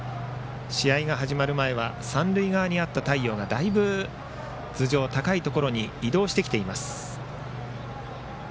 試合が始まる前は三塁側にあった太陽がだいぶ、頭上高いところに移動してきています。